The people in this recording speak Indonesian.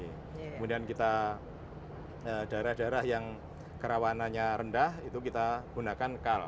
kemudian kita daerah daerah yang kerawanannya rendah itu kita gunakan kal